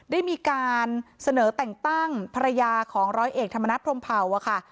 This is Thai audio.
ได้มีการเสนอแต่งตั้งภรรยาของร้อยเอกธรรมนัฐพรมเผาอะค่ะ